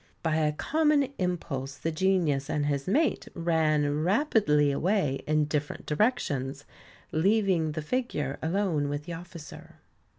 By a common impulse the Genius and his mate ran rapidly away in different directions, leaving the figure alone with the officer.